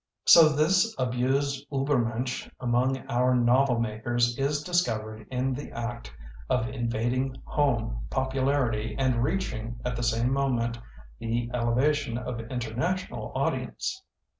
So this abused Uehennensch among our novel makers is discovered in the act of invading home popularity and reaching, at the same moment, the ele vation of international audience.